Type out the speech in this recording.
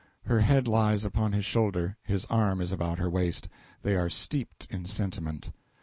Her head lies upon his shoulder, his arm is about her waist; they are steeped in sentiment.